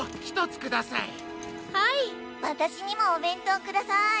わたしにもおべんとうください。